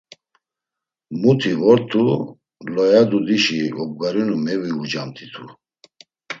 Muti vortu Loyadudişi obgarinu mevuucamt̆itu.